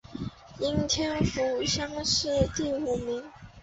应天府乡试第五名。